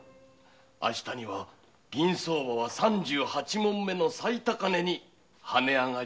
明日には銀相場は三十八匁の最高値にはねあがりまする。